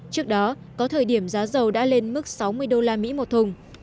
trước đó có thời điểm giá dầu đã lên mức sáu mươi usd một thùng